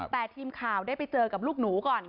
แต่ทีมข่าวได้ไปเจอกับลูกหนูก่อน